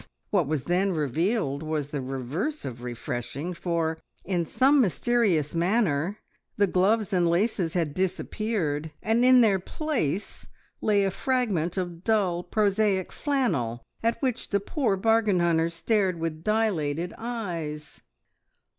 what was then revealed was the reverse of refreshing, for, in some mysterious manner, the gloves and laces had disappeared, and in their place lay a fragment of dull, prosaic flannel, at which the poor bargain hunter stared with dilated eyes.